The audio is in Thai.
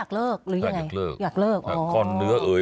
เกินเนื้อเอย